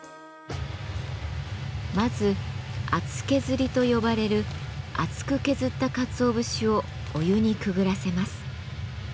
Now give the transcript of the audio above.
まず「厚削り」と呼ばれる厚く削ったかつお節をお湯にくぐらせます。